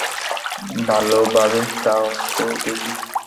ভালভাবে দাও তো দেখি।